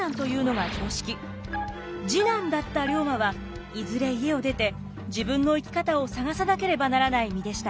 次男だった龍馬はいずれ家を出て自分の生き方を探さなければならない身でした。